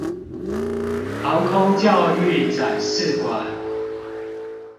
航空教育展示館